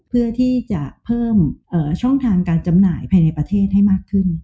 เพื่อที่จะเพิ่มช่องทางการจำหน่ายภายในประเทศให้มากขึ้น